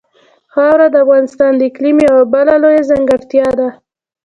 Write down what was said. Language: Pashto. خاوره د افغانستان د اقلیم یوه بله لویه ځانګړتیا ده.